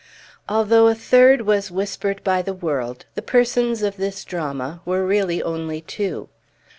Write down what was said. Although a third was whispered by the world, the persons of this drama were really only two.